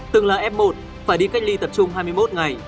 từng là f một phải đi cách ly tập trung hai mươi một ngày